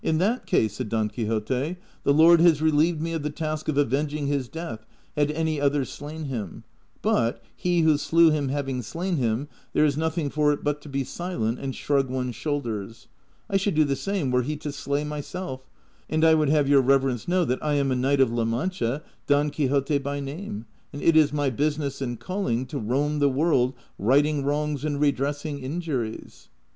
131 " 111 that case/' said Don (^)uixote, " the Lord has relieved me of the task of avenging his death had any other shiin him ; but, he who sleAv him having slain him, there is nothing for it but to be silent, and shrug one's shoulders ; I should do the same were he to slay myself : and I would have your rever ence know that I am a knight of La Mancha, Don Quixote by name, and it is my business and calling to roam the world righting wrongs and redressing injuries."